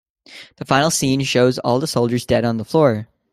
The final scene shows all the soldiers dead on the floor.